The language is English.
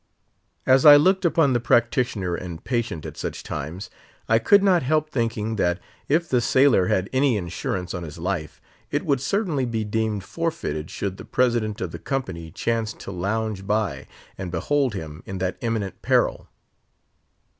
As I looked upon the practitioner and patient at such times, I could not help thinking that, if the sailor had any insurance on his life, it would certainly be deemed forfeited should the president of the company chance to lounge by and behold him in that imminent peril.